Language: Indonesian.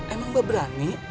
emang mbak berani